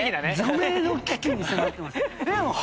除名の危機に迫ってます。